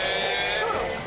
・そうなんですか？